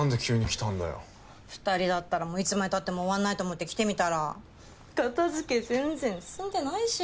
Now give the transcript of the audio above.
２人だったらいつまでたっても終わんないと思って来てみたら片付け全然進んでないし。